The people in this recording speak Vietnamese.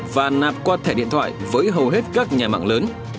và nạp qua thẻ điện thoại với hầu hết các nhà mạng lớn